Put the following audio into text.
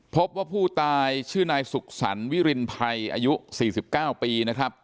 พบว่าผู้ตายชื่อนายสุขสรรควิรินภัยอายุ๔๙ปีนะครับ